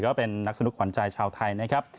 ก็เป็นนักสนุกขวัญใจชาวไทยนะครับ